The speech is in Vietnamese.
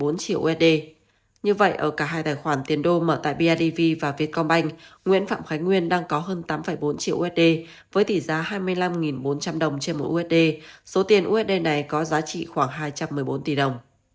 như vậy ở cả hai tài khoản tiền đô mở tại bidv và vietcombank nguyễn phạm khánh nguyên đang có hơn tám bốn triệu usd với tỷ giá hai mươi năm bốn trăm linh đồng trên một usd số tiền usd này có giá trị khoảng hai trăm một mươi bốn tỷ đồng